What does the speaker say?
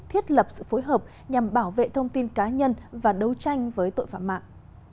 thiết lập sự phối hợp nhằm bảo vệ thông tin cá nhân và đấu tranh với tội phạm mạng